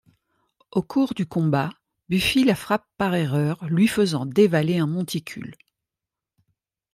Au cours du combat, Buffy la frappe par erreur, lui faisant dévaler un monticule.